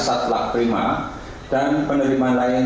satlak prima dan penerima lain